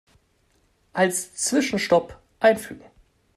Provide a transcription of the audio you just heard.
Als Zwischenstopp einfügen.